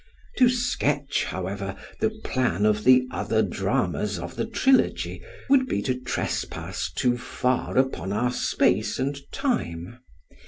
To sketch, however, the plan of the other dramas of the trilogy would be to trespass too far upon our space and time.